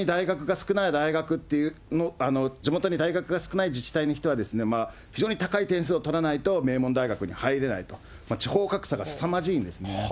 なので、地元に大学が少ない自治体の人は、非常に高い点数を取らないと名門大学に入れないと。地方格差がすさまじいんですね。